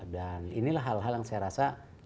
dan inilah hal hal yang saya rasa kembali ke ujung tahun